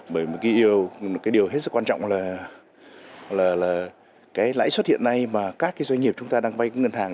bởi một cái điều hết sức quan trọng là cái lãi suất hiện nay mà các cái doanh nghiệp chúng ta đang vay ngân hàng